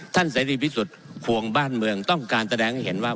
เสรีพิสุทธิ์ควงบ้านเมืองต้องการแสดงให้เห็นว่า